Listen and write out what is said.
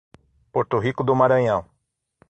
Porto Rico do Maranhão